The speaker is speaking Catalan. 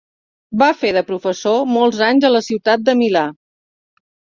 Va fer de professor molts anys a la ciutat de Milà.